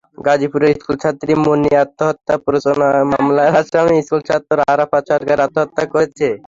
গাজীপুরের স্কুলছাত্রী মুন্নি আত্মহত্যা প্ররোচনা মামলার আসামি স্কুলছাত্র আরাফাত সরকার আত্মহত্যা করেছে।